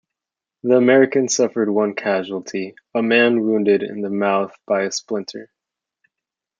The Americans suffered one casualty, a man wounded in the mouth by a splinter.